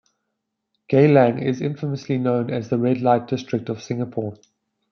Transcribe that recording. Geylang is infamously known as the red-light district of Singapore.